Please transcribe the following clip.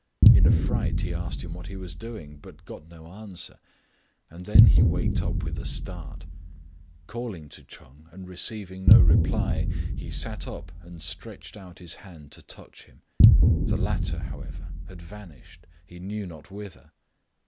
In a fright he asked him what he was doing, but got no answer ; and then he waked up with a start. Calling to Ch'eng and receiving no reply, he sat up and stretched out his hand to touch him. The latter, however, had vanished, he knew not whither.